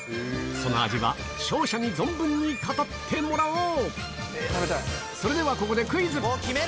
その味は勝者に存分に語ってもらおう。